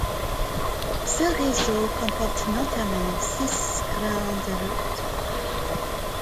Ce réseau comporte notamment six grandes routes.